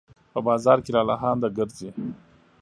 په بازار کې لالهانده ګرځي